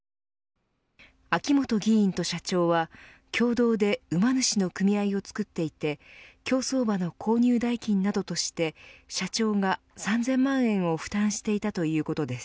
秋本議員と社長は共同で馬主の組合を作っていて競走馬の購入代金などとして社長が３０００万円を負担していたということです。